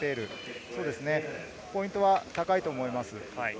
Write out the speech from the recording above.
ポイントは高いと思います。